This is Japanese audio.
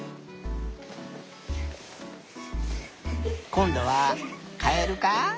こんどはカエルか。